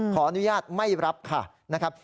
ขออนุญาตไม่รับค่ะนะครับ